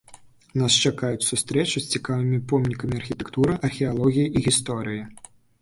Нас чакаюць сустрэчы з цікавымі помнікамі архітэктуры, археалогіі і гісторыі.